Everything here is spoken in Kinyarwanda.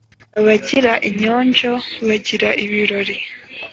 Abagira inyonjo bagira ibirori.